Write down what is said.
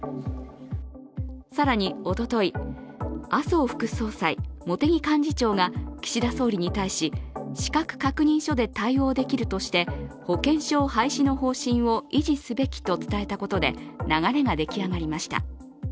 更に、おととい、麻生副総裁茂木幹事長が岸田総理に対し資格確認書で対応できるとして保険証廃止の方針を維持すべきと伝えたことで流れができ上がりました。